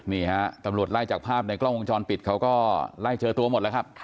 นี่ฮะตำรวจไล่จากภาพในกล้องวงจรปิดเขาก็ไล่เจอตัวหมดแล้วครับ